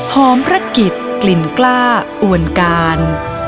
พระกิจกลิ่นกล้าอวนกาล